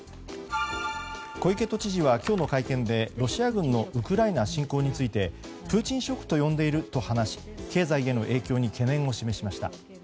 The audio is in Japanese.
小池都知事は今日の会見でロシア軍のウクライナ侵攻についてプーチンショックと呼んでいると話し経済への影響に懸念を示しました。